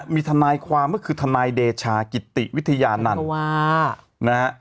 มีทนายความก็คือทนายเดชากิติวิทยานันต์นะฮะ